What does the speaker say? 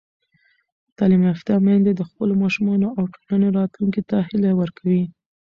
تعلیم یافته میندې د خپلو ماشومانو او ټولنې راتلونکي ته هیله ورکوي.